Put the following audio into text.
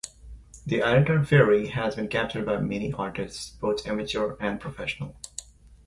The Ironton Ferry has been captured by many artists, both amateur and professional.